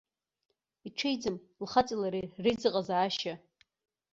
Иҽеиӡам лхаҵеи лареи реизыҟазаашьа.